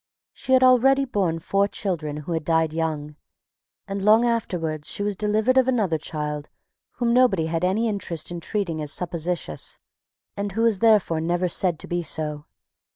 She had already borne four children who had died young; and long afterwards she was delivered of another child whom nobody had any interest in treating as supposititious, and who was therefore never said to be so.